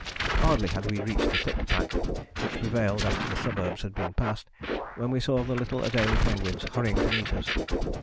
Hardly had we reached the thick pack, which prevailed after the suburbs had been passed, when we saw the little Adélie penguins hurrying to meet us.